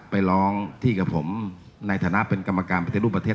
ไปร้องที่กับผมในฐานะเป็นกรรมการปฏิรูปประเทศ